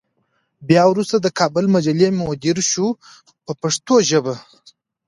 بیا وروسته د کابل مجلې مدیر شو په پښتو ژبه.